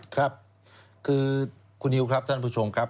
ครับคือคุณนิวครับท่านผู้ชมครับ